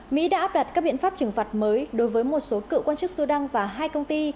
mỹ đã áp đặt các biện pháp trừng phạt mới đối với một số cựu quan chức sudan và hai công ty